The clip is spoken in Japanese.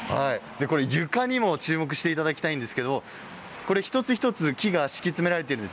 床にも注目していただきたいんですけど１つずつ木が敷き詰められています。